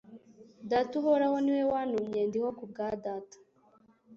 "Data uhoraho niwe wantumye, ndiho kubwa Data."